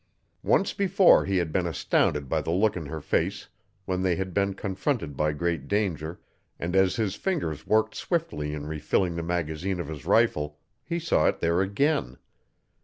Once before he had been astounded by the look in her face when they had been confronted by great danger, and as his fingers worked swiftly in refilling the magazine of his rifle he saw it there again.